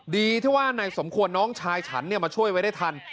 ดีที่ว่านายสมควรน้องชายฉันมาช่วยไว้ได้ทัน